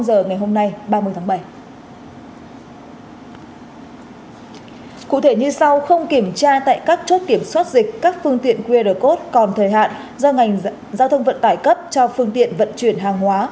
do ngành giao thông vận tải cấp cho phương tiện vận chuyển hàng hóa